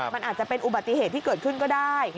มันอาจจะเป็นอุบัติเหตุที่เกิดขึ้นก็ได้